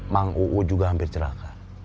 mang uu juga hampir celaka